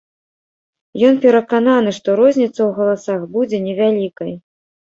Ён перакананы, што розніца ў галасах будзе невялікай.